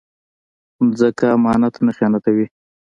ځمکه امانت نه خیانتوي